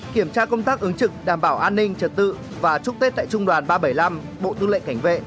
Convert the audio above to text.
kiểm tra công tác ứng trực đảm bảo an ninh trật tự và chúc tết tại trung đoàn ba trăm bảy mươi năm bộ tư lệnh cảnh vệ